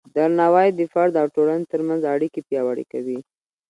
درناوی د فرد او ټولنې ترمنځ اړیکې پیاوړې کوي.